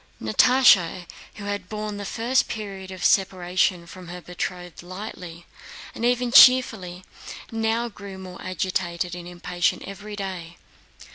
Natásha, who had borne the first period of separation from her betrothed lightly and even cheerfully, now grew more agitated and impatient every day.